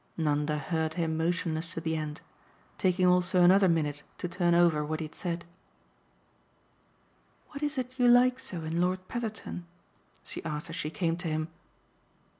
Nanda heard him motionless to the end, taking also another minute to turn over what he had said. "What is it you like so in Lord Petherton?" she asked as she came to him.